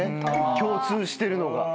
共通してるのが。